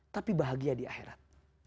tapi bahagia di akhirat